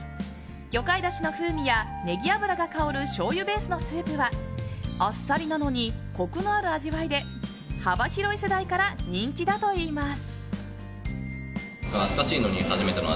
魚介だしの風味やネギ油が香るしょうゆベースのスープはあっさりなのにコクのある味わいで幅広い世代から人気だといいます。